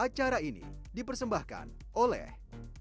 acara ini dipersembahkan oleh